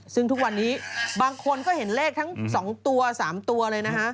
ซึ่งทุกวันนี้บางคนก็เห็นเลขทั้ง๒ตัว๓ตัวเลยนะฮะ